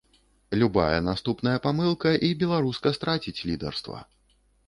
Любая наступная памылка, і беларуска страціць лідарства.